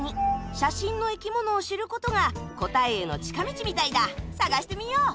写真の生き物を知ることが答えへの近道みたいだ探してみよう！